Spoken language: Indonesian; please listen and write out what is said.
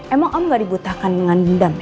emang om gak dibutahkan dengan dendam ya